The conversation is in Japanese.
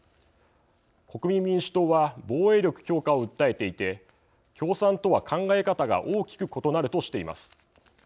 国民民主党は防衛力強化を訴えていて共産とは考え方が大きく異なるとしています。